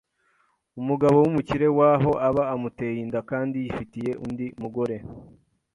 umugabo w’umukire w’aho aba amuteye inda kandi yifitiye undi mugore